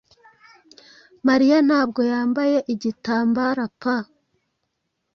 Mariya ntabwo yambaye igitambarapa